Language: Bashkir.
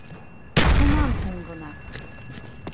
Шунан һуң ғына: